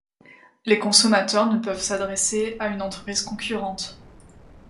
Les consommateurs ne peuvent s’adresser à une entreprise concurrente.